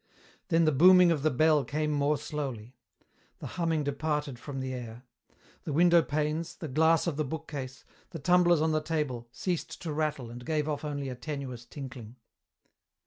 Then the booming of the bell came more slowly. The humming departed from the air. The window panes, the glass of the bookcase, the tumblers on the table, ceased to rattle and gave off only a tenuous tinkling.